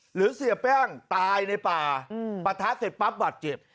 เสียแป้งตายในป่าปะทะเสร็จปั๊บบัตรเจ็บ